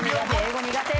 英語苦手！